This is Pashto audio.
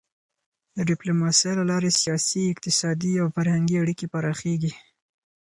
د ډيپلوماسی له لارې سیاسي، اقتصادي او فرهنګي اړیکې پراخېږي.